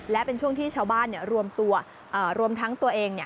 และเป็นช่วงที่ชาวบ้านรวมทั้งตัวเอง